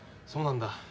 そうなんだ。